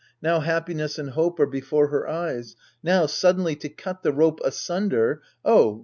Now happiness and hope are before her eyes. Now, suddenly to cut the rope asunder — oh